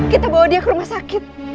kita bawa dia ke rumah sakit